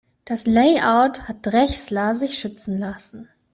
Das Layout hat Drechsler sich schützen lassen.